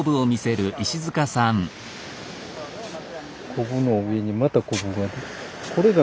ここの上にまたコブが。